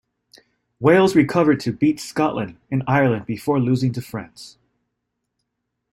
Wales recovered to beat Scotland and Ireland before losing to France.